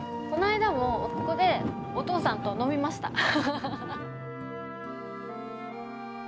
こないだもここでお父さんと飲みました。